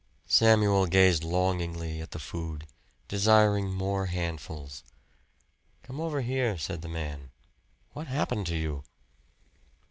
Samuel gazed longingly at the food, desiring more handfuls. "Come over here," said the man. "What happened to you?"